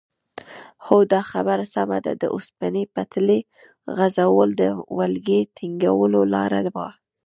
هو دا خبره سمه ده د اوسپنې پټلۍ غځول د ولکې ټینګولو لاره وه.